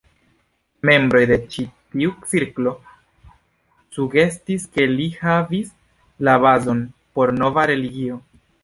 Membroj de ĉi tiu cirklo sugestis ke li havis la bazon por nova religio.